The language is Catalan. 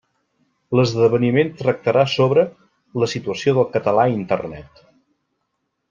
L'esdeveniment tractarà sobre «La situació del català a Internet».